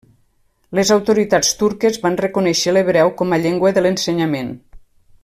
Les autoritats turques van reconèixer l'hebreu com a llengua de l'ensenyament.